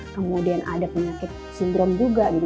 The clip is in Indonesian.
kemudian ada penyakit sindrom juga gitu